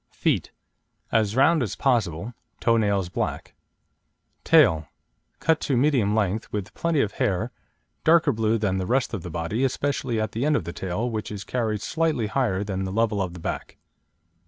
FEET As round as possible; toe nails black. TAIL Cut to medium length; with plenty of hair, darker blue than the rest of the body, especially at the end of the tail, which is carried slightly higher than the level of the back.